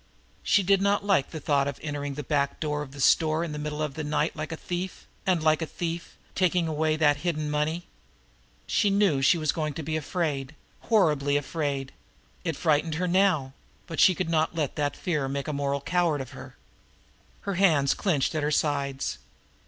She did not like the thought of entering the back door of a store in the middle of the night like a thief, and, like a thief, taking away that hidden money. She knew she was going to be afraid, horribly afraid it frightened her now but she could not let that fear make a moral coward of her. Her hands clenched at her sides.